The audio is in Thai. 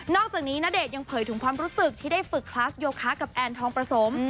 อกจากนี้ณเดชน์ยังเผยถึงความรู้สึกที่ได้ฝึกคลาสโยคะกับแอนทองประสม